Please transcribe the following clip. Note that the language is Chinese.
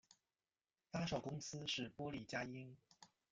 发售公司是波丽佳音。